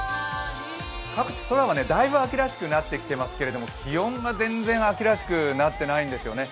各地、空はだいぶ秋らしくなってきていますけれども、気温が全然秋らしくなってないんですよね。